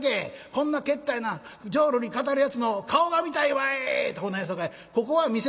こんなけったいな浄瑠璃語るやつの顔が見たいわい』とこんな言うさかいここは見せな」。